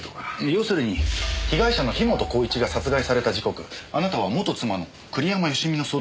要するに被害者の樋本晃一が殺害された時刻あなたは元妻の栗山佳美の相談にずっと乗ってたわけだ。